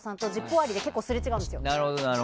終わりで結構すれ違うんですよ。